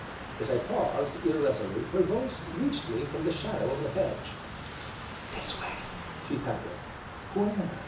As I paused, irresolute, her voice reached me from the shadow of the hedge. "This way," she panted. "Where?"